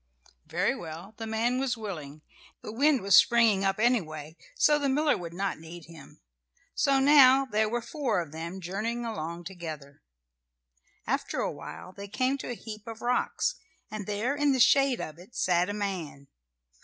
Very well, the man was willing; the wind was springing up, anyway, so the miller would not need him. So now there were four of them journeying along together. After awhile they came to a heap of rocks, and there in the shade of it sat a man.